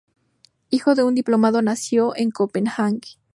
Hijo de un diplomático nació en Copenhague.